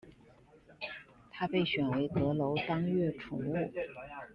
他被选为阁楼当月宠物。